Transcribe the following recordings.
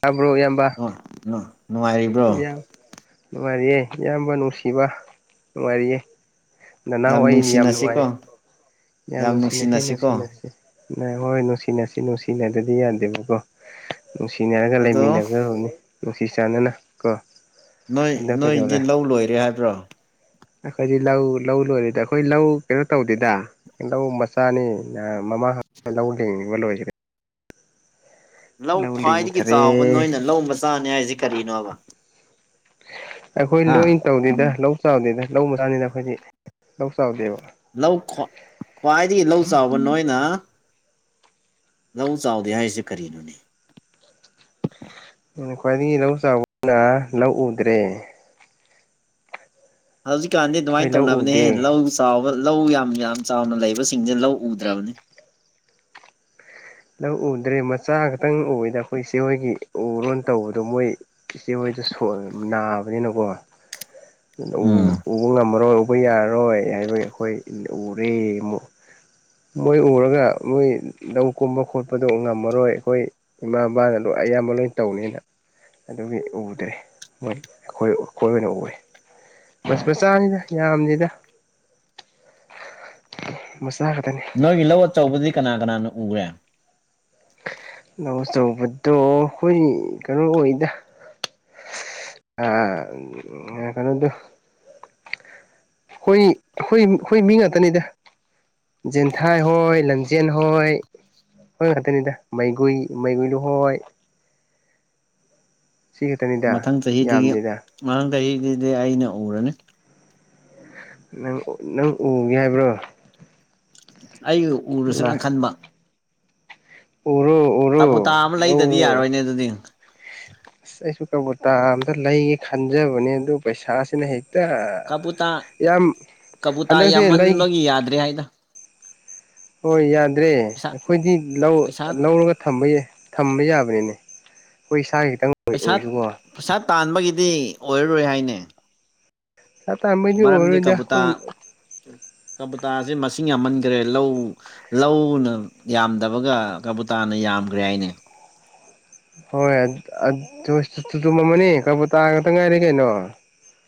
ꯇꯕ꯭ꯔꯣ ꯏꯌꯥꯝꯕ [unintelligible] ꯏꯌꯥꯝ ꯅꯨꯡꯉꯥꯏꯔꯤꯌꯦ ꯏꯌꯥꯝꯕ ꯅꯨꯡꯁꯤꯕ ꯅꯨꯡꯉꯥꯏꯔꯤꯌꯦ ꯅꯅꯥꯎ ꯑꯩꯅꯤ ꯌꯥꯝ ꯅꯨꯡꯉꯥꯏ ꯌꯥꯝ ꯅꯨꯡꯁꯤꯅꯁꯤ ꯅꯨꯡꯁꯤꯅꯁꯦ ꯅ ꯍꯣꯏ ꯅꯨꯡꯁꯤꯅꯁꯤ ꯅꯨꯡꯁꯤꯅꯗꯗꯤ ꯌꯥꯗꯦꯕꯀꯣ ꯅꯨꯡꯁꯤꯅꯔꯒ ꯑꯗꯣ ꯂꯩꯃꯤꯟꯅꯒꯗ꯭ꯔꯕꯅꯤ ꯅꯨꯡꯁꯤ ꯆꯥꯟꯅꯅ ꯀꯣ ꯅꯣꯏ ꯑꯗꯣ ꯅꯣꯏꯗꯤ ꯀꯩꯗꯧꯔꯦ ꯂꯧ ꯂꯣꯏꯔꯦ ꯍꯥꯏꯕ꯭ꯔꯣ ꯑꯩꯈꯣꯏꯗꯤ ꯂꯧ ꯂꯧ ꯂꯣꯏꯔꯦꯗ ꯑꯩꯈꯣꯏ ꯂꯧ ꯀꯩꯅꯣ ꯇꯧꯗꯦꯗ ꯂꯧ ꯃꯆꯥꯅꯤ ꯃꯃꯥ ꯂꯧ ꯂꯤꯡꯉꯤꯕ ꯂꯣꯏꯁꯤꯔꯦ ꯂꯧ ꯈ꯭ꯋꯥꯏꯗꯒꯤ ꯆꯥꯎꯕ ꯂꯤꯡꯈ꯭ꯔꯦ ꯅꯣꯏꯅ ꯂꯧ ꯃꯆꯥꯅꯤ ꯍꯥꯏꯁꯤ ꯀꯔꯤꯅꯣꯕ ꯑꯩꯈꯣꯏ ꯂꯣꯏ ꯍꯥ ꯇꯧꯗꯦꯗ ꯂꯧ ꯆꯥꯎꯗꯦꯗ ꯂꯧ ꯃꯁꯆꯥꯅꯤꯅ ꯑꯩꯈꯣꯏꯗꯤ ꯂꯧ ꯆꯥꯎꯗꯦꯕ ꯂꯧ ꯈꯋ꯭ꯥꯏ ꯈ꯭ꯋꯥꯏꯗꯒꯤ ꯂꯧ ꯆꯥꯎꯕ ꯅꯣꯏꯅ ꯂꯧ ꯆꯥꯎꯗꯦ ꯍꯥꯏꯔꯤꯁꯦ ꯀꯔꯤꯅꯣꯅꯦ ꯑꯩꯅ ꯈ꯭ꯋꯥꯏꯗꯒꯤ ꯂꯧ ꯆꯥꯎꯕꯅ ꯂꯧ ꯎꯗ꯭ꯔꯦ ꯍꯧꯖꯤꯛꯀꯥꯟꯗꯤ ꯑꯩꯈꯣꯏ ꯑꯗꯨꯃꯥꯏꯅ ꯂꯧ ꯇꯧꯅꯕꯅꯦꯍꯦ ꯎꯗꯦ ꯂꯧ ꯆꯥꯎꯕ ꯂꯧ ꯌꯥꯝ ꯌꯥꯝ ꯆꯥꯎꯅ ꯂꯩꯕꯁꯤꯡꯁꯦ ꯂꯧ ꯎꯗ꯭ꯔꯕꯅꯤ ꯂꯧ ꯎꯗ꯭ꯔꯦ ꯃꯆꯥ ꯈꯛꯇꯪ ꯎꯏꯗ ꯑꯩꯈꯣꯏ ꯏꯆꯦ ꯍꯣꯏꯒꯤ ꯎꯔꯣꯟ ꯇꯧꯕꯗꯣ ꯃꯣꯏ ꯏꯆꯦꯍꯣꯏꯗꯁꯨ ꯅꯥꯕꯅꯤꯅꯀꯣ ꯂꯧ ꯎꯝ ꯎꯕ ꯉꯝꯃꯔꯣꯏ ꯎꯕ ꯌꯥꯔꯔꯣꯏ ꯍꯥꯏꯕ ꯑꯩꯈꯣꯏ ꯎꯔꯦ ꯑꯃꯨꯛ ꯃꯣꯏ ꯎꯔꯒ ꯃꯣꯏ ꯂꯧ ꯀꯨꯝꯕ ꯈꯣꯠꯄꯗꯣ ꯉꯝꯃꯔꯣꯏ ꯑꯩꯈꯣꯏ ꯏꯃꯥ ꯕꯥꯅ ꯂ ꯑꯌꯥꯝꯕ ꯂꯣꯏꯅ ꯇꯧꯅꯤꯅ ꯑꯗꯨꯒꯤ ꯎꯗ꯭ꯔꯦ ꯃꯣꯏ ꯑꯩꯈꯣꯏ ꯑꯩꯈꯣꯏ ꯑꯣꯏꯅ ꯎꯔꯦ ꯃꯁ ꯃꯆꯥꯅꯤꯗ ꯌꯥꯝꯗꯦꯗ ꯃꯆꯥ ꯈꯛꯇꯅꯦ ꯅꯣꯏꯒꯤ ꯂꯧ ꯑꯆꯧꯕꯗꯤ ꯀꯅꯥ ꯀꯅꯥꯅ ꯎꯈ꯭ꯔꯦ ꯑꯧ ꯑꯆꯧꯕꯗꯣ ꯑꯩꯈꯣꯏ ꯀꯩꯅꯣ ꯑꯣꯏꯗ ꯑ ꯀꯩꯅꯣꯗꯨ ꯑꯩꯈꯣꯏ ꯑꯩꯈꯣꯏ ꯃꯤ ꯉꯥꯛꯇꯅꯤꯗ ꯖꯦꯟꯊꯥꯏꯍꯣꯏ ꯂꯪꯖꯦꯟꯍꯣꯏ ꯃꯣꯏ ꯉꯛꯇꯅꯤꯗ ꯃꯩꯒꯨꯏ ꯃꯩꯒꯨꯏꯍꯣꯏ ꯁꯤ ꯈꯛꯇꯅꯤꯗ ꯃꯊꯪ ꯆꯍꯤꯗꯒꯤ ꯌꯥꯝꯗꯦꯗ ꯃꯊꯪ ꯆꯍꯤꯗꯨꯗꯤ ꯑꯩꯅ ꯎꯔꯅꯤ ꯅꯪ ꯅꯪ ꯎꯒꯦ ꯍꯥꯏꯕ꯭ꯔꯣ ꯑꯩ ꯎꯔꯁꯤꯔꯥꯅ ꯈꯟꯕ ꯎꯔꯣ ꯎꯔꯣ ꯀꯕꯨꯇꯥ ꯑꯃ ꯂꯩꯗꯗꯤ ꯂꯧꯔꯣ ꯌꯥꯔꯣꯏꯅꯦ ꯑꯗꯨꯗꯤ ꯑꯁ ꯑꯩꯁꯨ ꯀꯕꯨꯇꯥ ꯑꯝꯇ ꯂꯩꯒꯦ ꯈꯟꯖꯕꯅꯦ ꯑꯗꯨꯕꯨ ꯄꯩꯁꯥꯁꯤꯅ ꯍꯦꯛ ꯀꯕꯨꯇꯥ ꯏꯌꯥꯝ ꯍꯟꯗꯛꯁꯦ ꯂꯩ ꯌꯥꯗꯔꯦ ꯍꯥꯏꯗ ꯍꯣꯏ ꯌꯥꯗ꯭ꯔꯦ ꯄꯩꯁꯥ ꯑꯩꯈꯣꯏꯗꯤ ꯂꯧ ꯄꯩꯁꯥ ꯂꯧꯔꯒ ꯊꯝꯕꯩꯅꯦ ꯊꯝꯕ ꯌꯥꯕꯅꯤꯅꯦ ꯑꯩꯈꯣꯏ ꯏꯁꯥꯒꯤ ꯈꯤꯇꯪ ꯄꯩꯁꯥ ꯑꯣꯏꯔꯁꯨꯀꯣ ꯄꯩꯁꯥ ꯇꯥꯟꯕꯒꯤꯗꯤ ꯑꯣꯏꯔꯔꯣꯏ ꯍꯥꯏꯅꯦ ꯑꯗꯤ ꯃꯔꯝꯗꯤ ꯀꯕꯨꯇꯥ ꯑꯣꯏꯔꯣꯏꯗꯈꯣꯏ ꯀꯕꯨꯇꯥꯁꯦ ꯃꯁꯤꯡ ꯌꯥꯝꯃꯟꯈ꯭ꯔꯦ ꯂꯧ ꯂꯧꯅ ꯌꯥꯝꯗꯕꯒ ꯀꯕꯨꯇꯥꯅ ꯌꯥꯝꯈ꯭ꯔꯦ ꯍꯥꯏꯅꯦ ꯍꯣꯏ ꯆꯨꯝ ꯃꯝꯃꯅꯤ ꯀꯔꯕꯨ ꯇꯥ ꯈꯛꯇ ꯉꯥꯏꯔꯦ ꯀꯩꯅꯣ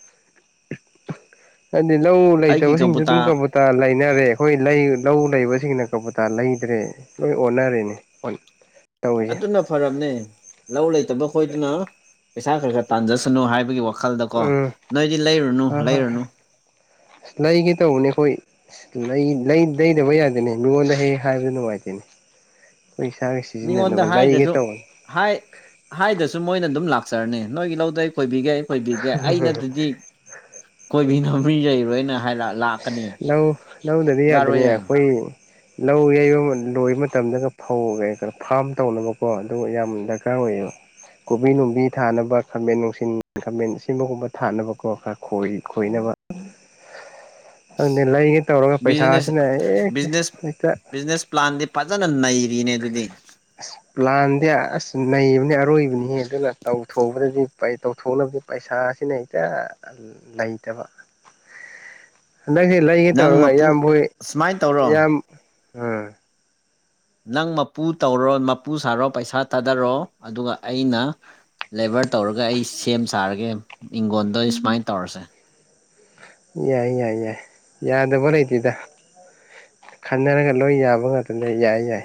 [inaudible] ꯍꯥꯏꯗꯤ ꯂꯧ ꯑꯩꯒꯤ ꯂꯩꯇꯕꯁꯤꯡꯁꯨ ꯀꯕꯨꯇꯥ ꯑꯗꯨꯝ ꯀ ꯇ ꯂꯩꯅꯔꯦ ꯑꯩꯈꯣꯏ ꯂꯩ ꯂꯧ ꯂꯩꯕꯁꯤꯡꯅ ꯀꯕꯨꯇꯥ ꯂꯩꯗ꯭ꯔꯦ ꯅꯣꯏ ꯑꯣꯟꯅꯔꯦꯅꯦ ꯑꯣꯟ ꯑꯗꯨꯅ ꯐꯔꯕꯅꯦ ꯂꯧ ꯂꯩꯇꯕ ꯈꯣꯏꯗꯨꯅ ꯄꯩꯁꯥ ꯈꯔ ꯈꯔ ꯇꯥꯟꯖꯁꯅꯨ ꯍꯥꯏꯕꯒꯤ ꯋꯥꯈꯜ ꯃꯈꯜꯗꯀꯣ ꯎꯝ ꯅꯣꯏꯗꯤ ꯂꯩꯔꯨꯅꯨ ꯂꯩꯔꯨꯅꯨ ꯑ ꯂꯩꯒꯦ ꯇꯧꯕꯅꯦ ꯑꯩꯈꯣꯏ ꯂꯩꯗꯕ ꯌꯥꯗꯦꯅꯦ ꯂꯉꯣꯟꯗ ꯍ ꯍꯥꯏꯕꯗꯨ ꯅꯨꯡꯉꯥꯏꯇꯦꯅꯦ ꯑꯩꯈꯣꯏ ꯏꯁꯥꯒ ꯃꯤꯉꯣꯟꯗ ꯁꯤꯖꯤꯟꯅꯅꯕ ꯂꯩꯒꯦ ꯍꯥꯏꯗ꯭ꯔꯁꯨ ꯇꯧꯕꯅꯤ ꯍꯥꯏ ꯍꯥꯏꯗꯁꯨ ꯃꯣꯏꯅ ꯑꯗꯨꯝ ꯂꯥꯛꯆꯔꯅꯤ ꯅꯣꯏꯒꯤ ꯂꯧꯗꯩ ꯀꯣꯏꯕꯤꯒꯦ ꯀꯣꯏꯕꯤꯒꯦ ꯑꯩꯅꯠꯇꯗꯤ ꯀꯣꯏꯕꯤꯅꯕꯔꯤ ꯂꯩꯔꯣꯏꯅ ꯍꯥꯏꯔ ꯂꯥꯛꯀꯅꯤ ꯂꯧ ꯂꯧꯗꯗꯤ ꯌꯥꯗꯅꯦ ꯌꯥꯔꯣꯏꯌꯦ ꯑꯩꯈꯣꯏ ꯂꯧ ꯌꯩꯕ ꯂꯣꯏꯕ ꯃꯇꯝꯗꯒꯧꯣ ꯐꯥꯝ ꯇꯧꯅꯕꯀꯣ ꯑꯗꯨꯒ ꯌꯥꯝ ꯗꯔꯀꯥꯔ ꯗꯔꯀꯥꯔ ꯑꯣꯏꯌꯣ ꯀꯣꯕꯤ ꯅꯨꯡꯕꯤ ꯊꯥꯅꯕ ꯈꯥꯃꯦꯟ ꯅꯨꯡꯁꯤꯠ ꯈꯥꯃꯦꯟ ꯑꯁꯤꯃꯒꯨꯝꯕ ꯊꯥꯅꯕꯀꯣꯔ ꯈꯣꯏ ꯈꯣꯏꯅꯕ ꯑꯗꯨꯅꯤ ꯂꯩꯉ ꯇꯧꯔꯒ ꯕꯤꯖꯤꯅꯦꯁ ꯄꯩꯁꯥꯁꯤꯅ ꯍꯦꯛ ꯕꯤꯖꯤꯅꯦꯁ ꯍꯛꯇ ꯕꯤꯖꯤꯅꯦꯁ ꯄ꯭ꯂꯥꯟꯗꯤ ꯐꯖꯅ ꯅꯩꯔꯤꯅꯦ ꯑꯗꯨꯗꯤ ꯑꯁ ꯂꯥꯟꯗꯦ ꯑꯁ ꯅꯩꯕꯅꯦ ꯑꯔꯣꯏꯕꯅꯤꯍ ꯑꯗꯨꯅ ꯇꯧꯊꯣꯛꯕꯗꯗꯤ ꯇꯧꯊꯣꯛꯅꯕꯗꯤ ꯄꯩꯁꯥꯁꯤꯅ ꯍꯦꯛꯇ ꯂꯩꯇꯕ ꯍꯟꯗꯛꯁꯤ ꯂꯩꯒ ꯅꯪ ꯇꯧꯔꯒ ꯃꯄꯨ ꯏꯌꯥꯝ ꯍꯣꯏ ꯁꯨꯃꯥꯏꯅ ꯇꯧꯔꯣ ꯌꯥꯝ ꯑꯥ ꯅꯪ ꯃꯄꯨ ꯇꯧꯔꯣ ꯃꯄꯨ ꯁꯥꯔꯣ ꯄꯩꯁꯥ ꯊꯥꯗꯔꯣ ꯑꯗꯨꯒ ꯑꯩꯅ ꯂꯦꯕꯔ ꯇꯧꯔꯒ ꯑꯩ ꯁꯦꯝ ꯁꯥꯔꯒꯦ ꯏꯪꯈꯣꯟꯜꯗ ꯑꯩ ꯁꯨꯃꯥꯏꯅ ꯇꯧꯔꯁꯦ ꯌꯥꯏ ꯌꯥꯏ ꯌꯥꯏ ꯌꯥꯗꯕꯣꯣꯔꯣꯏꯇꯗ ꯈꯟꯅꯔꯒ ꯂꯣꯏ ꯌꯥꯕ ꯉꯥꯛꯇꯗ ꯌꯥꯏ ꯌꯥꯏ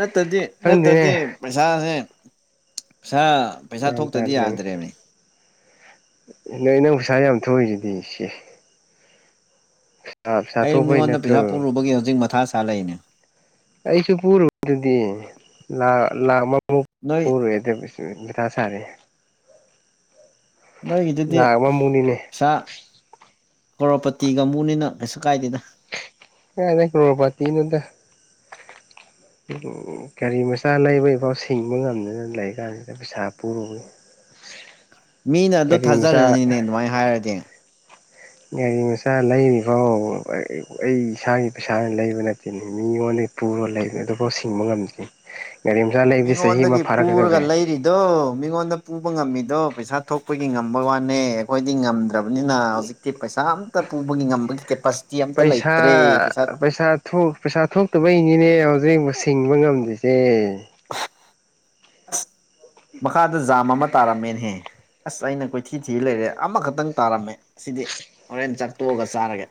ꯅꯠꯇꯗꯤ ꯑꯗꯨꯗꯅꯦ ꯅꯠꯇꯗꯤ ꯄꯩꯁꯥꯁꯦ ꯄꯩꯁꯥ ꯄꯩꯁꯥ ꯒ꯭ꯌꯥꯟ ꯊꯣꯛꯇꯗꯤ ꯇꯥꯗ꯭ꯔꯦꯅꯦ ꯌꯥꯗ꯭ꯔꯦꯕꯅꯦ ꯅꯣꯏ ꯅꯪ ꯄꯩꯁꯥ ꯌꯥꯝ ꯊꯣꯛꯏꯁꯤꯗꯤ ꯏꯆꯦ ꯑꯩ ꯃꯤꯉꯣꯟꯗ ꯄꯩꯁꯥ ꯄꯨꯔꯨꯕꯒꯤ ꯍꯧꯖꯤꯛ ꯃꯊꯥ ꯁꯥ ꯂꯩꯅꯦ ꯑꯩꯁꯨ ꯄꯨꯔꯨ ꯑꯗꯨꯗꯤ ꯂꯥꯛ ꯑꯃ ꯅꯣꯏ ꯄꯨꯔꯨꯦ ꯑꯗꯨ ꯃꯊꯥ ꯁꯥꯔꯦ ꯅꯣꯏꯒꯤꯗꯨꯗꯤ ꯂꯥꯛ ꯑꯃꯃꯨꯛꯅꯤꯅꯦ ꯄꯩꯁꯥ ꯀꯣꯔꯒꯣꯔꯣꯄꯇꯤꯒꯕꯨꯅꯤꯅ ꯀꯩꯁꯨ ꯀꯥꯏꯗꯦꯗ ꯀꯅ ꯀ꯭ꯂꯣ ꯄꯇꯤꯅꯗ ꯎꯝ ꯒꯥꯔꯤ ꯃꯆꯥ ꯂꯩꯕ ꯏꯐꯥꯎ ꯁꯤꯡꯕ ꯉꯝꯗꯅ ꯂꯩ ꯀꯥꯟꯁꯤꯗ ꯇ ꯄꯩꯁꯥꯄꯨꯔꯨꯒꯦ ꯃꯤꯅ ꯑꯗꯨ ꯃꯆꯥ ꯊꯥꯖꯔꯅꯤꯅꯦ ꯑꯗꯨꯃꯥꯏꯅ ꯍꯥꯏꯔꯗꯤ ꯒꯥꯔꯤ ꯃꯆꯥ ꯂꯩꯔꯤ ꯐꯥꯎ ꯑꯩ ꯏꯁꯥꯒꯤ ꯄꯩꯁꯥ ꯂꯩꯕ ꯅꯠꯇꯦꯅꯤ ꯃꯤꯉꯣꯟꯗ ꯄꯨꯔ ꯂꯩꯕ ꯑꯗꯨꯐꯥꯎ ꯁꯤꯡꯕ ꯉꯝꯗ꯭ꯔꯤ ꯒꯥꯔꯤ ꯃꯆꯥ ꯂꯩꯕꯕꯁꯤ ꯆꯍꯤ ꯑꯃ ꯐꯥꯔꯛꯀꯗꯧꯔꯦ ꯑꯗꯣ ꯃꯤꯉꯣꯟꯗ ꯄꯨꯕ ꯉꯝꯃꯤꯗꯣ ꯄꯩꯁꯥ ꯊꯣꯛꯄꯒꯤ ꯉꯝꯕ ꯋꯥꯅꯦ ꯑꯩꯈꯣꯏꯗꯤ ꯉꯝꯗ ꯂꯩꯠꯇ꯭ꯔꯕꯅꯤꯅ ꯍꯧꯖꯤꯛꯀꯤ ꯄꯩꯁꯥ ꯑꯝꯇ ꯄꯨꯕꯒꯤ ꯉꯝꯕꯒꯤ ꯀꯦꯄꯥꯁꯤꯇꯤ ꯑꯃꯝꯇ ꯄꯩꯁꯥ ꯂꯩꯇ꯭ꯔꯦ ꯄꯩꯁꯥ ꯄꯩꯁꯥ ꯊꯣꯛꯇꯕꯩꯅꯤꯅꯦ ꯍꯧꯖꯤꯛ ꯁꯤꯡꯕ ꯉꯝꯗ꯭ꯔꯤꯁꯦ ꯑꯁ ꯃꯈꯥꯗ ꯖꯥꯝ ꯑꯃ ꯇꯥꯔꯝꯃꯦꯅꯍꯦ ꯑꯁ ꯑꯩꯅ ꯀꯣꯏꯊꯤ ꯊꯤ ꯂꯩꯔꯦ ꯑꯃꯈꯛꯇꯪ ꯇꯥꯔꯝꯃꯦ ꯑꯁꯤꯗꯤ ꯍꯣꯔꯦꯟ ꯆꯥꯛꯠꯇꯣꯛꯑꯒ ꯆꯥꯔꯒꯦ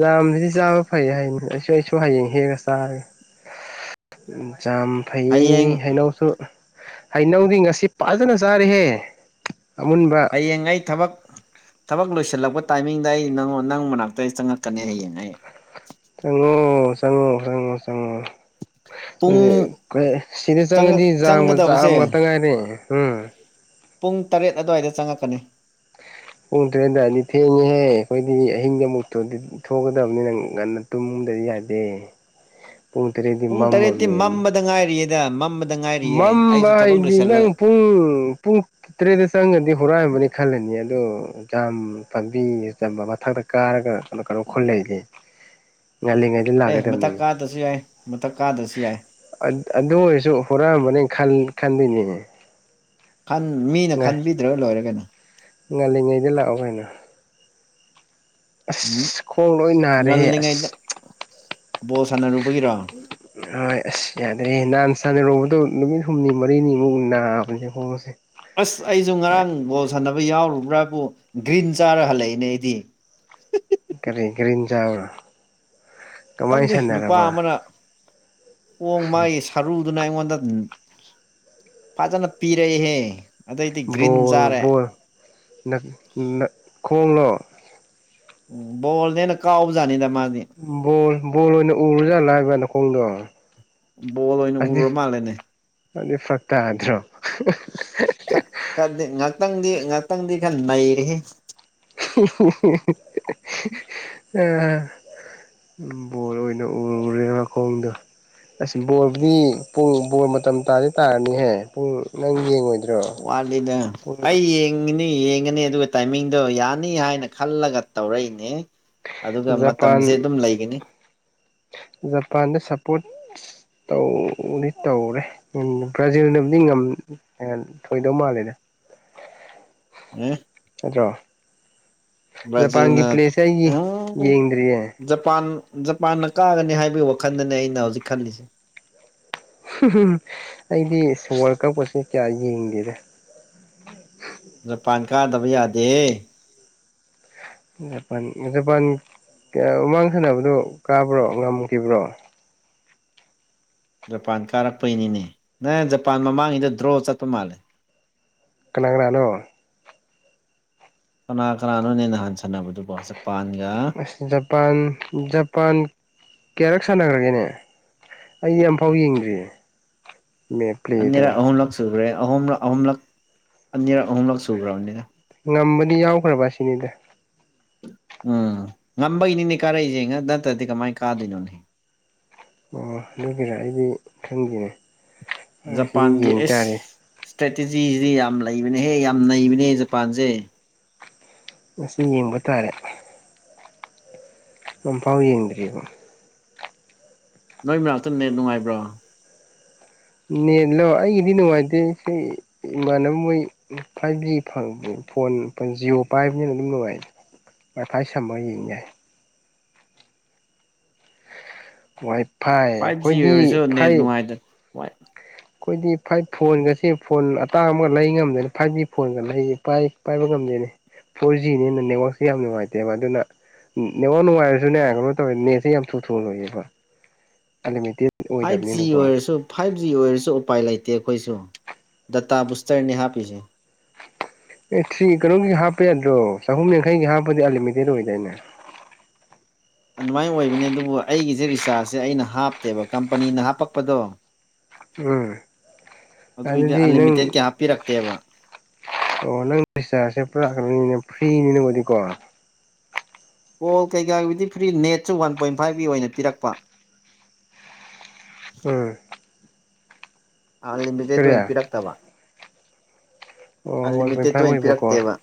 ꯌꯥꯝꯗꯨꯗꯤ ꯆꯥꯕ ꯐꯩ ꯍꯥꯏꯅꯤ ꯑꯩꯁꯨ ꯑꯩꯁꯨ ꯍꯌꯦꯡ ꯍꯦꯛꯒ ꯆꯥꯔꯒꯦ ꯆꯝ ꯍꯌꯦꯡ ꯐꯩ ꯍꯩꯅꯧꯁꯨ ꯍꯩꯅꯧꯗꯤ ꯉꯁꯤ ꯐꯖꯅ ꯆꯥꯔꯤꯍꯦ ꯑꯃꯨꯟꯕ ꯍꯌꯦꯡꯉꯩ ꯊꯕꯛ ꯊꯕꯛ ꯂꯣꯏꯁꯤꯜꯂꯛꯄ ꯇꯥꯏꯃꯤꯡꯗ ꯑꯩ ꯅꯪ ꯅꯪ ꯃꯅꯥꯛꯇ ꯆꯪꯉꯛꯀꯅꯤ ꯍꯌꯦꯡꯉ ꯑꯩ ꯆꯉꯣ ꯆꯉꯣ ꯆꯉꯣ ꯆꯉꯣ ꯄꯨꯡ ꯁꯤꯗ ꯆꯪꯉꯛ ꯆꯪꯉꯗꯤ ꯆꯥꯛ ꯆꯪꯒꯗꯕꯁꯦ ꯉꯥꯛꯇ ꯉꯥꯏꯔꯦ ꯎꯝ ꯄꯨꯡ ꯇꯔꯦꯠ ꯑꯗꯨꯋꯥꯏꯗ ꯆꯪꯉꯛꯀꯅꯤ ꯄꯨꯡ ꯇꯔꯦꯦꯟ ꯑꯗꯨꯋꯥꯏꯗꯤ ꯊꯦꯡꯉꯦꯍꯦ ꯑꯩꯈꯣꯏꯗꯤ ꯑꯍꯤꯡꯗ ꯑꯃꯨꯛꯇ꯭ꯔꯗꯤ ꯊꯣꯛꯀꯗꯕꯅꯤ ꯅꯪ ꯉꯟꯅ ꯇꯨꯝꯒꯗꯗꯤ ꯌꯥꯗꯦ [unintelligible] ꯄꯨꯡ ꯇꯔꯦꯠꯗꯤ ꯄꯨꯡ ꯇꯔꯦꯠꯇꯤ ꯃꯃꯔꯅꯤ ꯃꯝꯕꯗ ꯉꯥꯏꯔꯤꯌꯦꯗ ꯃ ꯃꯝꯕ ꯍꯥꯏꯗꯤ ꯅꯪ ꯄꯨꯡ ꯄꯨꯡ ꯀꯇ꯭ꯔꯦꯗ ꯆꯪꯒꯗꯤ ꯍꯔꯑꯕꯅꯤ ꯈꯂꯦꯅꯤ ꯑꯂꯣ ꯥ ꯄꯥꯝꯕꯤ ꯆꯝꯕ ꯃꯊꯛꯇ ꯀꯥꯔꯒ ꯀꯩꯅ ꯈꯣꯜ ꯂꯩꯗꯤ ꯉꯜꯂꯤꯉꯥꯏ ꯑꯦ ꯃꯊꯛ ꯀꯥꯗ꯭ꯔꯁꯨ ꯌꯥꯏ ꯃꯊꯛ ꯀꯥꯗ꯭ꯔꯁꯨ ꯌꯥꯏ ꯑꯗꯨ ꯑꯣꯏꯔꯁꯨ ꯍꯣꯔꯛꯑꯝꯕꯅꯤ ꯈꯟꯗꯣꯏꯅꯦ ꯟ ꯃꯤꯅ ꯈꯟꯕꯤꯗ꯭ꯔꯒ ꯂꯣꯏꯔ ꯀꯩꯅꯣ ꯉꯥꯜꯂꯤꯉꯩꯗ ꯂꯥꯛꯑꯣ ꯀꯩꯅꯣ ꯎꯝ ꯑꯁ ꯈꯣꯡ ꯂꯣꯏ ꯅꯥꯔꯦꯍꯦ ꯉꯜꯂꯤꯉꯩꯗ ꯑꯁ ꯕꯣꯜ ꯁꯥꯟꯅꯔꯨꯕꯒꯤꯔꯣ ꯍꯣꯏ ꯑꯁ ꯌꯥꯗꯦ ꯍꯥꯟ ꯁꯥꯟꯅꯔꯨꯕꯗꯣ ꯅꯨꯃꯤꯠ ꯍꯨꯝꯅꯤ ꯃꯔꯤꯅꯤꯃꯨꯛ ꯅꯥꯕꯅꯦꯦ ꯍꯣꯡꯕꯁꯦ ꯑꯁ ꯑꯩꯁꯨ ꯉꯔꯥꯡ ꯕꯣꯜ ꯁꯥꯟꯅꯕ ꯌꯥꯎꯔꯨꯕ꯭ꯔꯥꯕꯨ ꯒ꯭ꯔꯤꯟ ꯆꯥꯔ ꯍꯜꯂꯛꯏꯅꯦ ꯑꯩꯗꯤ ꯀꯒꯥꯔꯤ ꯀꯒꯥꯔꯤ ꯆꯥ ꯈꯪꯗꯦ ꯅꯨꯄꯥ ꯑꯃꯅ ꯍꯣꯡ ꯃꯥꯒꯤ ꯁꯔꯨꯗꯨꯅ ꯑꯩꯉꯣꯟꯗ ꯐꯖꯅ ꯄꯤꯔꯛꯏꯍꯦ ꯑꯗꯩꯗꯤ ꯒ꯭ꯔꯤꯟ ꯕꯣꯜ ꯆꯥꯔꯦ ꯕꯣꯜ ꯈꯣꯡꯂꯣ ꯎꯝ ꯕꯣꯜꯅꯦꯅ ꯀꯥꯎꯕꯖꯥꯅꯤꯗ ꯃꯥꯗꯤ ꯕꯣꯜ ꯕꯣꯜ ꯑꯣꯏꯅ ꯎꯔꯨꯖꯥꯠꯂꯥ ꯍꯥꯏꯕ ꯅꯈꯣꯡꯗꯣ ꯕꯣꯜ ꯑꯣꯏꯅ ꯎꯔ ꯃꯥꯜꯂꯦꯅꯦ ꯑꯗꯨ ꯐꯔꯛ ꯇꯥꯗ꯭ꯔꯣ ꯉꯥꯛꯇꯪꯗꯤ ꯉꯥꯛꯇꯪꯗꯤ ꯈꯔ ꯅꯩꯔꯤ ꯑ ꯕꯣꯔ ꯑꯣꯏꯅ ꯎꯔꯦ ꯃꯈꯣꯡꯗꯣ ꯑꯁ ꯕꯣꯜꯕꯨꯗꯤ ꯄꯨꯡ ꯕꯣꯜ ꯃꯇꯝ ꯇꯥꯗꯤ ꯇꯥꯔꯅꯤꯍꯦ ꯄꯨꯡ ꯅꯪ ꯌꯦꯡꯉꯣꯏꯗ ꯋꯥꯂꯤꯗ ꯑꯩ ꯍꯤꯡꯉꯤꯅꯤ ꯌꯦꯡꯉꯅꯤ ꯑꯗꯨꯒ ꯇꯥꯏꯃꯤꯡꯗꯣ ꯌꯥꯅꯤ ꯍꯥꯏꯅ ꯈꯜꯂꯒ ꯇꯧꯔꯛꯏꯅꯦ ꯑꯗꯨꯒ ꯄꯥꯟ ꯃꯇꯝꯁꯦ ꯑꯗꯨꯝ ꯂꯩꯒꯅꯤ ꯖꯄꯥꯟꯗ ꯁꯄꯣꯔꯠ ꯇꯧꯗꯤ ꯇꯧꯔꯦ ꯕ꯭ꯔꯥꯖꯤꯜꯅꯕꯨꯗꯤ ꯑꯦ ꯊꯣꯏꯗꯧ ꯃꯥꯜꯂꯦꯅꯦ ꯎꯝ ꯅꯠꯇ꯭ꯔꯣ ꯖꯄꯥꯟꯒꯤ ꯕ꯭ꯔꯥꯖꯤꯜꯅ ꯄ꯭ꯂꯦꯁꯁꯦ ꯑꯩꯒꯤ ꯌꯦꯡꯗ꯭ꯔꯤꯌꯦ ꯖꯄꯥꯟ ꯖꯄꯥꯟꯅ ꯀꯥꯒꯅꯤ ꯍꯥꯏꯕꯒꯤ ꯋꯥꯈꯜꯗꯅꯦ ꯑꯩꯅ ꯍꯧꯖꯤꯛ ꯈꯜꯂꯤꯁꯦ ꯑꯩꯗꯤ ꯋꯥꯔꯜ ꯀꯞꯁꯦ ꯀꯌꯥ ꯌꯦꯡꯒꯦꯗꯦ ꯖꯄꯥꯟ ꯀꯥꯗꯕ ꯌꯥꯗꯦ ꯖꯄꯥꯟ ꯖꯄꯥꯟ ꯀꯌꯥ ꯃꯃꯥꯡ ꯁꯥꯟꯅꯕꯗꯣ ꯀꯥꯕ꯭ꯔꯣ ꯉꯝꯈꯤꯕ꯭ꯔꯣ ꯖꯄꯥꯟ ꯀꯥꯔꯛꯄꯩꯅꯤꯅꯦ ꯅꯪ ꯖꯄꯥꯟ ꯃꯃꯥꯡꯉꯩꯗ ꯗ꯭ꯔꯣ ꯆꯠꯄ ꯃꯥꯜꯂꯦ ꯀꯅꯥꯒ꯭ꯔꯥꯅꯣ ꯀꯅꯥ ꯀꯅꯥꯅꯣ ꯅ ꯅꯍꯥꯟ ꯁꯟꯅꯅꯕꯗꯨ ꯕꯣꯠꯁꯦ ꯄꯥꯟꯒ ꯑꯁ ꯖꯄꯥꯟ ꯖꯄꯥꯟ ꯀꯦꯔꯛ ꯁꯥꯟꯅꯈ꯭ꯔꯒꯦꯅꯦ ꯑꯩ ꯌꯥꯝꯐꯥꯎ ꯌꯦꯡꯗ꯭ꯔꯤꯌꯦ ꯃꯦ ꯑꯅꯤꯔꯛ ꯄ꯭ꯂꯦꯗꯣ ꯑꯍꯨꯝꯂꯛ ꯁꯨꯈ꯭ꯔꯦ ꯑꯍꯨꯝꯂꯛ ꯑꯍꯨꯝꯂꯛ ꯑꯅꯤꯔꯛ ꯑꯍꯨꯝꯂꯛ ꯁꯨꯈ꯭ꯔꯕꯅꯤꯅ ꯉꯝꯕꯗꯤ ꯌꯥꯎꯈ꯭ꯔꯕ ꯑꯁꯤꯅꯤꯗ ꯎꯝ ꯉꯝꯕꯒꯤꯅꯤꯅꯦ ꯀꯥꯔꯛꯏꯁꯦ ꯉ ꯅꯠꯇ꯭ꯔꯗꯤ ꯀꯃꯥꯏꯅ ꯀꯥꯗꯣꯏꯅꯣꯅꯦꯍ ꯑꯣ ꯑꯗꯨ ꯀꯖꯥ ꯑꯩꯗꯤ ꯈꯪꯗꯦꯅꯦ ꯁꯤꯗꯤ ꯌꯦꯡ ꯇꯥꯔꯦ ꯏꯁꯇ꯭ꯔꯦꯇꯦꯖꯤꯁꯤꯗꯤ ꯌꯥꯝ ꯂꯩꯕꯅꯦꯍꯦ ꯌꯥꯝ ꯅꯩꯕꯅꯦ ꯖꯄꯥꯟꯁꯦ ꯃꯁꯤ ꯌꯦꯡꯕ ꯇꯥꯔꯦ ꯅꯝꯐꯥꯎ ꯌꯦꯡꯗ꯭ꯔꯤꯕꯔꯤꯕꯣ ꯅꯣꯏ ꯃꯅꯥꯛꯇꯅꯦ ꯅꯨꯡꯉꯥꯏꯕ꯭ꯔꯣ ꯅꯦ ꯂ ꯑꯩꯒꯤꯗꯤ ꯅꯨꯡꯉꯥꯏꯇꯦ ꯏꯃꯥꯟꯅꯕ ꯃꯣꯏ ꯐꯥꯏꯚ ꯖꯤ ꯐꯪ ꯐꯣꯟ ꯖꯤꯑꯣ ꯄꯥꯏꯕꯅꯤꯅ ꯑꯗꯨꯝ ꯅꯨꯡꯉꯥꯏ ꯉꯥꯏ ꯁꯝꯃ ꯌꯦꯏ ꯋꯥꯏ ꯐꯥꯏ ꯑꯩꯈꯣꯏꯗꯤ ꯐꯥꯏ ꯋꯥꯏ ꯑꯩꯈꯣꯏꯗꯤ ꯐꯥꯏꯚ ꯐꯣꯟꯒꯁꯦ ꯐꯣꯟ ꯑꯇꯥꯡ ꯑꯃꯒ ꯂꯩ ꯉꯝꯗꯣꯏꯅꯤ ꯐꯥꯏꯚ ꯖꯤ ꯐꯣꯟꯒ ꯂꯩ ꯄꯥꯏꯕ ꯉꯝꯗꯣꯏꯅꯤ ꯐꯣꯔ ꯖꯤꯅꯦꯅ ꯅꯦꯠꯋꯥꯛꯁꯦ ꯌꯥꯝ ꯅꯨꯡꯉꯥꯏꯇꯦꯕ ꯑꯗꯨꯅ ꯅꯦꯉ ꯅꯨꯡꯉꯥꯏꯔꯁꯨꯅꯦ ꯀꯩꯅꯣ ꯇꯧꯋꯦ ꯅꯦꯠꯁꯦ ꯌꯥꯝ ꯊꯨ ꯊꯨ ꯂꯣꯏꯌꯦꯦꯕ ꯑꯂꯦꯠꯇ ꯐꯥꯏꯚ ꯖꯤ ꯑꯣꯏꯔꯁꯨ ꯐꯥꯏꯚ ꯖꯤ ꯑꯣꯏꯔꯁꯨ ꯎꯄꯥꯏ ꯂꯩꯇꯦ ꯑꯩꯈꯣꯏꯁꯨ ꯗꯇꯥ ꯕꯨꯁꯇꯔꯅꯤ ꯍꯥꯞꯄꯤꯁꯦ ꯑꯦ ꯊ ꯀꯩꯅꯣꯝꯒꯤ ꯍꯥꯞꯄ ꯌꯥꯗ꯭ꯔꯣ ꯆꯍꯨꯝ ꯌꯥꯡꯈꯩꯒꯤ ꯍꯥꯞꯄꯗꯤ ꯑꯟꯂꯤꯃꯤꯇꯦꯠ ꯑꯣꯏꯗꯏꯅꯦ ꯑꯗꯨꯃꯥꯏꯅ ꯑꯣꯏꯕꯅꯦ ꯑꯗꯨꯕꯨ ꯑꯩꯒꯤꯁꯦ ꯔꯤꯆꯥꯔꯖꯁꯦ ꯑꯩꯅ ꯍꯥꯞꯇꯦꯕ ꯀꯝꯄꯅꯤꯅ ꯍꯥꯞꯄꯛꯄꯗꯣ ꯎꯝ ꯑꯗꯨꯏꯗꯤ ꯑꯗꯨꯗꯤ ꯑꯟꯂꯤꯃꯤꯇꯦꯠ ꯅꯪ ꯀꯌꯥ ꯍꯥꯞꯄꯤꯔꯛꯇꯦꯕ ꯑꯣ ꯅꯪ ꯔꯁꯦ ꯄꯨꯔꯛꯅꯤꯅꯦ ꯐ꯭ꯔꯤꯅꯤꯅꯕꯨꯗꯤꯀꯣ ꯀꯣꯜ ꯀꯩꯀꯥꯒꯤꯗꯤ ꯐ꯭ꯔꯤ ꯅꯦꯠꯁꯨ ꯋꯥꯟ ꯄꯣꯏꯟ ꯐꯥꯏꯕꯀꯤ ꯑꯣꯏꯅ ꯄꯤꯔꯛꯄ ꯎꯝ ꯑꯟ ꯂꯤꯃꯤꯇꯦꯠ ꯀꯔꯤ ꯑꯣꯏꯅ ꯑꯣ ꯄꯤꯔꯛꯇꯕ ꯑꯣ ꯋꯥꯟ ꯄꯣꯏꯟꯠ ꯑꯟꯂꯤꯃꯤꯇꯦꯠꯇ ꯐꯥꯏꯚ ꯑꯣꯏꯅ ꯑꯣꯏꯕꯀꯣ ꯄꯤꯔꯛꯇꯦꯕ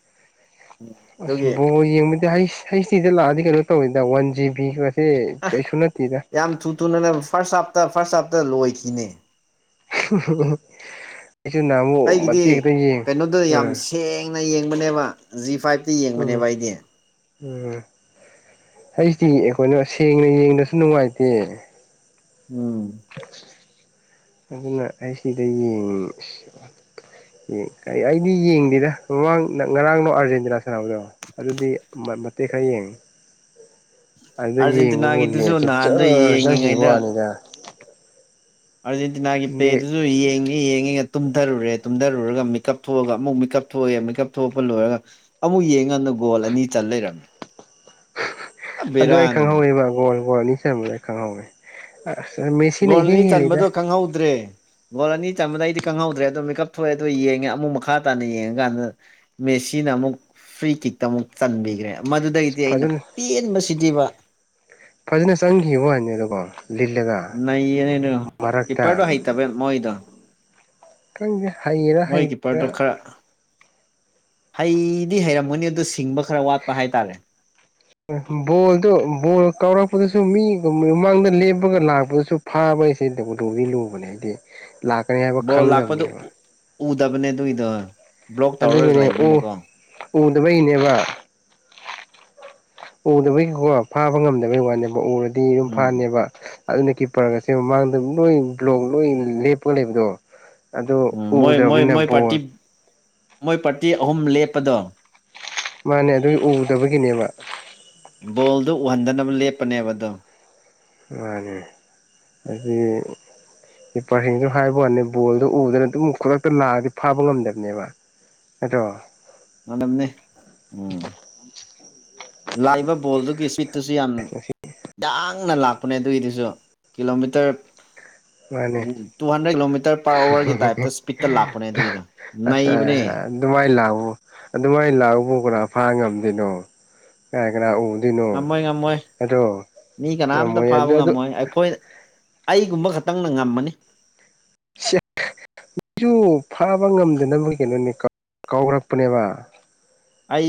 ꯑꯁ ꯑꯗꯨꯒꯤ ꯕꯣꯏ ꯌꯦꯡꯕꯗꯤ ꯍꯩꯁꯇꯤꯗ ꯂꯥꯛꯑꯗꯤ ꯀꯩꯅꯣ ꯇꯧꯋꯤꯗ ꯋꯥꯟ ꯖꯤꯕꯤꯒꯁꯦ ꯑ ꯀꯩꯁꯨ ꯅꯠꯇꯦꯗ ꯌꯥꯝ ꯊꯨ ꯊꯨꯅꯅꯦ ꯐꯥꯔꯁ ꯍꯥꯞꯇ ꯐꯥꯔ꯭ꯁ ꯍꯥꯞꯇ ꯂꯣꯏꯈꯤꯅꯦ ꯑꯩꯁꯨ ꯅꯍꯃꯨꯛ ꯃꯇꯦꯛꯦꯛꯇ ꯌꯦꯡꯉꯨ ꯎꯝ ꯊꯦꯡꯅ ꯌꯦꯡꯕꯅꯦꯕ ꯖꯤ ꯐꯥꯏꯚꯇꯤ ꯎꯝ ꯌꯦꯡꯕꯅꯦꯕ ꯑꯩꯗꯤ ꯎꯝ ꯑꯩꯁꯤꯗꯤ ꯑꯩꯈꯣꯏꯅꯣ ꯁꯦꯡꯅ ꯌꯦꯡꯅꯁꯨ ꯅꯨꯡꯉꯥꯏꯇꯦ ꯎꯝ ꯑꯗꯨꯅ ꯑꯩ ꯁꯤꯗ ꯌꯦꯡꯉꯁꯤ ꯀ ꯑꯩꯗꯤ ꯌꯦꯡꯗꯦꯗ ꯃꯃꯥꯡ ꯉꯔꯥꯡꯅꯣ ꯑꯥꯔꯖꯦꯟꯇꯤꯅꯥ ꯁꯥꯟꯅꯕꯗꯕ ꯑꯗꯨꯗꯤ ꯃꯇꯦꯛ ꯈꯔ ꯌꯦꯡꯉꯤ ꯑꯗꯨꯗ ꯌꯦꯡꯕꯕꯨꯅꯦ ꯑꯥꯔꯖꯦꯟꯇꯤꯅꯥꯒꯤꯗꯨꯁꯨ ꯆ ꯔ ꯅꯍꯥꯟꯗꯣ ꯆꯔ ꯍꯈꯤꯕ ꯌꯦꯡꯉꯤꯉꯩꯗ ꯋꯥꯅꯤꯗ ꯑꯔꯖꯦꯟꯇꯤꯅꯥꯒꯤ ꯅꯦꯠ ꯄꯦꯔꯁꯨ ꯌꯦꯡ ꯑꯦ ꯌꯦꯡꯉꯦꯒ ꯇꯨꯝꯊꯔꯨꯔꯦ ꯇꯨꯝꯊꯔꯨꯔꯒ ꯃꯀꯞ ꯊꯣꯛꯑꯒ ꯑꯃꯨꯛ ꯃꯦꯀꯞ ꯊꯣꯛꯑꯦ ꯃꯦꯀꯞ ꯊꯣꯛꯂꯄ ꯂꯣꯏꯔꯒ ꯑꯃꯨꯛ ꯌꯦꯡꯉꯅ ꯒꯣꯜ ꯑꯅꯤ ꯆꯟ ꯂꯩꯔꯝꯃꯦ ꯄꯨꯔꯥ ꯑꯗꯨ ꯑꯩ ꯕꯦꯔꯥꯅꯤꯅꯦ ꯈꯪꯍꯧꯋꯦꯕ ꯒꯣꯜ ꯒꯣꯜ ꯑꯅꯤ ꯁꯦꯝꯕꯗ ꯑꯩ ꯈꯪꯍꯧꯋꯤ ꯑ ꯃꯦꯁꯤꯤꯟ ꯒꯣꯜ ꯍꯦ ꯑꯅꯤ ꯍꯗ ꯆꯟꯕꯗꯣ ꯈꯪꯍꯧꯗ꯭ꯔꯦ ꯒꯣꯜ ꯑꯅꯤ ꯆꯝꯕꯗ ꯑꯩꯗꯤ ꯀꯪꯍꯧꯗ꯭ꯔꯦ ꯑꯗꯣ ꯃꯦꯀꯞ ꯊꯣꯛꯑꯦ ꯑꯗꯣ ꯌꯦꯡꯉꯦ ꯑꯃꯨꯛ ꯃꯈꯥ ꯇꯥꯅ ꯌꯦꯡꯉꯀꯥꯟꯗ ꯃꯦꯁꯤꯅ ꯑꯃꯨꯛ ꯐ꯭ꯔꯤ ꯀꯤꯛꯇ ꯑꯃꯨꯛ ꯆꯟꯕꯤꯈ꯭ꯔꯦ ꯃꯗꯨꯗꯒꯤꯗꯤ ꯑꯩꯅ ꯐꯖꯅ ꯄꯦꯟꯕꯁꯤꯗꯤꯕ ꯐꯖꯅ ꯆꯪꯈꯤꯕ ꯋꯥ ꯍꯥꯏꯅꯤꯗꯀꯣ ꯂꯤꯜꯂꯒ ꯅꯩꯌꯦꯅꯦꯩꯅ ꯄꯤꯄꯔꯗꯣ ꯃꯔꯛꯇ ꯍꯩꯇꯕ ꯃꯣꯏꯗꯣ ꯪ ꯍꯥꯏ ꯃꯣꯏ ꯀꯤꯄꯔꯗꯨꯣ ꯈꯔ ꯍꯩꯗꯤ ꯍꯩꯔꯝꯒꯅꯤ ꯑꯗꯨ ꯁꯤꯡꯕ ꯈꯔ ꯋꯥꯠꯄ ꯍꯥꯏꯇꯥꯔꯦ ꯕꯣꯜꯗꯨ ꯕꯣꯜ ꯀꯥꯎꯔꯛꯄꯗꯁꯨ ꯃꯤꯒꯨꯝ ꯃꯃꯥꯡꯗ ꯂꯦꯞꯄꯒ ꯂꯥꯛꯄꯗꯁꯨ ꯐꯥꯕ ꯍꯥꯏꯁꯤꯗꯕꯨꯗꯣꯒꯤ ꯂꯨꯕꯅꯦ ꯑꯩꯗꯤ ꯂꯥꯛꯀꯅꯤ ꯕꯣꯜ ꯂꯥꯛꯄꯥꯗꯣ ꯎꯗꯕꯅꯦ ꯊꯨꯏꯗꯧ ꯑꯗꯨꯒꯤꯅꯦ ꯎ ꯎꯗꯕꯩꯅꯦꯕ ꯎꯗꯕꯩꯒꯤꯀꯣ ꯐꯥꯕ ꯉꯝꯗꯕꯩ ꯋꯥꯅꯦꯕ ꯎꯔꯗꯤ ꯗꯤ ꯑꯗꯨꯝ ꯎꯝ ꯐꯥꯅꯦꯕ ꯑꯗꯨꯅ ꯀꯤꯄꯔꯒꯁꯦ ꯃꯃꯥꯡꯗ ꯂꯣꯏ ꯕ꯭ꯂꯣꯛ ꯂꯣꯏ ꯂꯦꯞꯄꯒ ꯂꯩꯕꯗꯣ ꯑꯗꯨ ꯎꯝ ꯃꯣꯏ ꯃꯣꯏ ꯎꯗ꯭ꯔꯕꯅꯤꯅ ꯃꯣꯏ ꯕꯣꯜ ꯄꯥꯔꯇꯤ ꯃꯣꯏ ꯄꯥꯔꯇꯤ ꯑꯍꯨꯝ ꯂꯦꯞꯄꯗꯣ ꯃꯥꯅꯦ ꯑꯗꯨꯒꯤ ꯎꯗꯕꯒꯤꯅꯦꯕ ꯕꯣꯜꯗꯨ ꯎꯍꯟꯗꯅꯕ ꯂꯦꯞꯄꯅꯦꯕ ꯑꯗꯣ ꯃꯥꯅꯦ ꯑꯗꯨꯗꯤ ꯀꯤꯄꯔꯂꯩ ꯍꯥꯏꯕ ꯋꯥꯅꯦ ꯕꯣꯜꯗꯣ ꯎꯗꯅ ꯑꯗꯨꯝ ꯈꯨꯗꯛꯇ ꯂꯥꯛꯑꯗꯤ ꯐꯥꯕ ꯉꯝꯗꯕꯅꯦꯕ ꯍꯗꯣ ꯃꯅꯦ ꯎꯝ ꯂꯥꯛꯏꯕ ꯕꯣꯜꯗꯨꯒꯤ ꯏꯁꯄꯤꯠ ꯇꯨꯁꯨ ꯌꯥꯝ ꯌꯥꯡꯅ ꯂꯥꯛꯄꯅꯦ ꯑꯗꯨꯒꯤꯗꯨꯁꯨ ꯀꯤꯂꯣꯃꯤꯇꯔ ꯃꯥꯅꯦ ꯑꯣ ꯇꯨ ꯍꯟꯗ꯭ꯔꯦꯗ ꯀꯤꯂꯣꯃꯤꯇꯔ ꯄꯔ ꯁꯀꯋꯥꯔꯒꯤ ꯇꯥꯏꯞꯇ ꯏꯁꯄꯤꯠꯇ ꯂꯥꯛꯄꯅꯦ ꯑꯗꯨꯏꯗ ꯑꯁ ꯅꯩꯕꯅꯦ ꯑꯗꯨꯃꯥꯏꯅ ꯂꯥꯛꯎ ꯑꯗꯨꯃꯥꯏꯅ ꯂꯥꯛꯄ ꯕꯨ ꯀꯅꯥ ꯐꯥ ꯉꯝꯗꯣꯏꯅꯣ ꯀꯅꯥꯥꯏ ꯀꯅꯥ ꯎꯣ ꯉꯝꯃꯣꯏ ꯉꯝꯃꯣꯏ ꯃꯤ ꯀꯅꯥꯝꯇ ꯉꯝꯃꯣꯏ ꯐꯥꯕ ꯑꯗꯨ ꯑꯗꯨ ꯉꯝꯃꯣꯏ ꯑꯩꯈꯣꯏ ꯑꯩꯒꯨꯝꯕ ꯈꯛꯇꯪꯅ ꯉꯝꯃꯅꯤ ꯃꯤꯁꯨ ꯐꯥꯕ ꯉꯝꯗꯅꯕꯒꯤ ꯀꯩꯅꯣꯅꯤ ꯀꯥꯎꯔꯛꯄꯅꯦꯕ ꯑꯩ